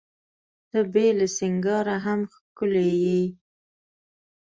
ته بې له سینګاره هم ښکلي یې.